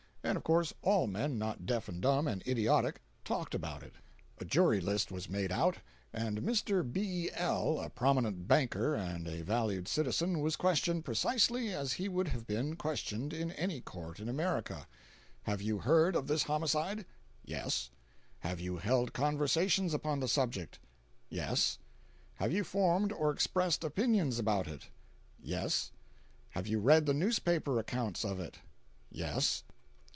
And of course all men not deaf and dumb and idiotic, talked about it. A jury list was made out, and Mr. B. L., a prominent banker and a valued citizen, was questioned precisely as he would have been questioned in any court in America: "Have you heard of this homicide?" "Yes." "Have you held conversations upon the subject?" "Yes." "Have you formed or expressed opinions about it?" "Yes." "Have you read the newspaper accounts of it?" "Yes."